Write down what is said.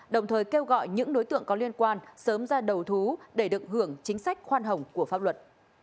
đồng thời kêu gọi những đối tượng có liên quan sớm ra đầu thú để được hưởng chính sách khoan hồng của pháp luật